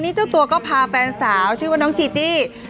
นี่เจ้าตัวก็พาแฟนสาวชื่อว่าน้องจีจี้